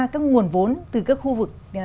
các nguồn vốn từ các khu vực